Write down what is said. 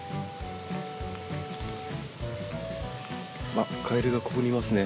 あっカエルがここにいますね。